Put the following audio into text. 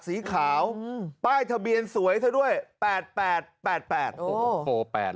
สีขาวอืมป้ายทะเบียนสวยซะด้วยแปดแปดแปดแปดโอ้โหแปด